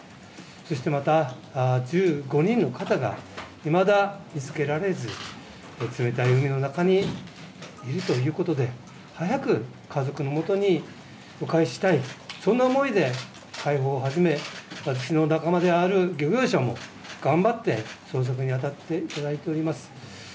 そしてまた、１５人の方がいまだ見つけられず、冷たい海の中にいるということで、早く家族のもとにお返ししたい、そんな思いで海保をはじめ、漁業者も、頑張って捜索に当たっております。